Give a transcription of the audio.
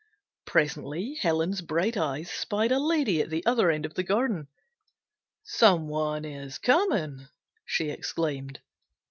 Presently Helen's bright eyes spied a lady at the other end of the garden. "Someone is coming!" she exclaimed.